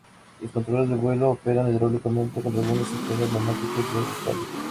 Los controles de vuelo operan hidráulicamente, con algunos sistemas neumáticos de respaldo.